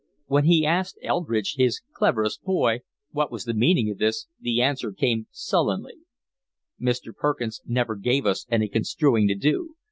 When he asked Eldridge, his cleverest boy, what was the meaning of this the answer came sullenly: "Mr. Perkins never gave us any construing to do.